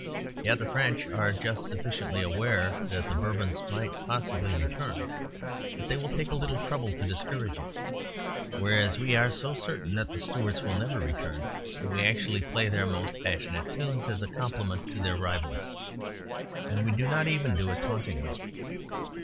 Yet the French are just sufficiently aware that the Bourbons might possibly return that they will take a little trouble to discourage it; whereas we are so certain that the Stuarts will never return that we actually play their most passionate tunes as a compliment to their rivals. And we do not even do it tauntingly.